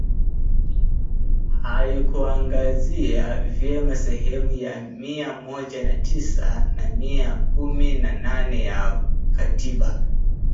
haikuangazia vyema sehemu ya mia moja na tisa na mia kumi na nne ya Katiba